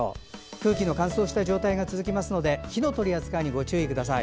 空気の乾燥した状態が続きますので火の取り扱いにご注意ください。